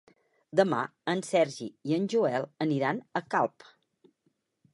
Demà en Sergi i en Joel aniran a Calp.